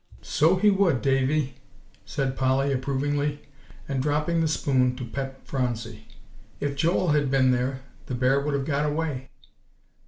"So he would, Davie," said Polly approvingly, and dropping the spoon to pet Phronsie; "if Joel had been there, the bear would have got away."